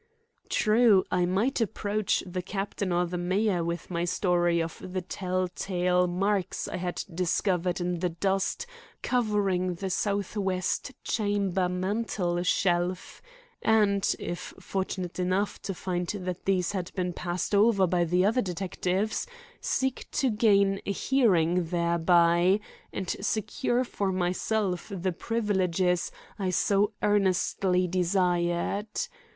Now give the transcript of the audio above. True, I might approach the captain or the major with my story of the tell tale marks I had discovered in the dust covering the southwest chamber mantel shelf, and, if fortunate enough to find that these had been passed over by the other detectives, seek to gain a hearing thereby and secure for myself the privileges I so earnestly desired.